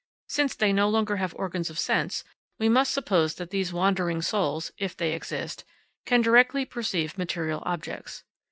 Since they no longer have organs of sense, we must suppose that these wandering souls, if they exist, can directly perceive material objects.